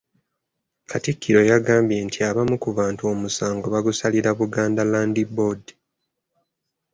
Katikkiro yagambye nti abamu ku bantu omusango bagusalira Buganda Land Board.